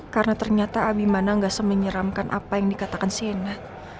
karena ternyata abimana gak semenyeramkan apa yang dikatakan sienna